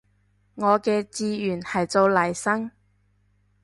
我嘅志願係做黎生